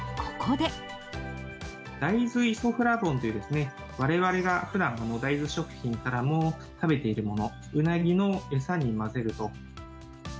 大豆イソフラボンという、われわれがふだん、大豆食品からも食べているもの、うなぎの餌に混ぜると。